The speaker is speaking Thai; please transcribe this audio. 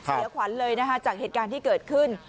เสียขวัญเลยนะคะจากเหตุการณ์ที่เกิดขึ้น